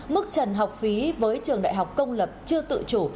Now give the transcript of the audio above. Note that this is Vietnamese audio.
mức trần học phí với trường đại học công lập chưa tự chủ